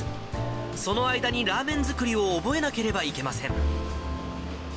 その間にラーメン作りを覚えなければいけません。